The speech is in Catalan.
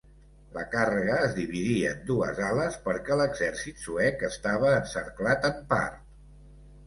La càrrega es dividí en dues ales perquè l'exèrcit suec estava encerclat en part.